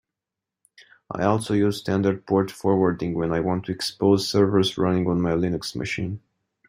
I also use standard port forwarding when I want to expose servers running on my Linux machine.